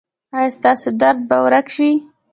ایا ستاسو درد به ورک وي؟